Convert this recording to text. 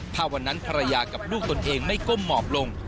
ถ้าวันนั้นภรรยากับลูกตนเองไม่ก้มหมอบลง